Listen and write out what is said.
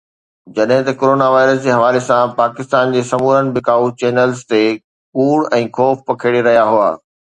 جڏهن ته corona virus جي حوالي سان پاڪستان جي سمورن بکائو چينلز تي ڪوڙ ۽ خوف پکيڙي رهيا هئا